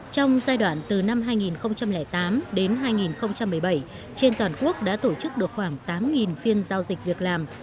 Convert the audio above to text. trong giai đoạn từ năm hai nghìn tám đến hai nghìn một mươi bảy trên toàn quốc đã tổ chức được khoảng tám phiên giao dịch việc làm